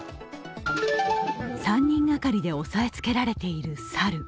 ３人がかりで押さえつけられている猿。